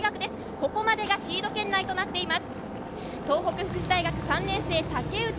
ここまでがシード権内となっています。